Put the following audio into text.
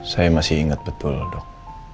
saya masih ingat betul dok